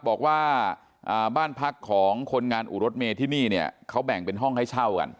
บอกว่าบ้านพักของคนงานอู่รถเมย์ที่นี่เนี่ยเขาแบ่งเป็นห้องให้เช่ากัน